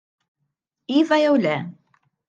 Iva jew le.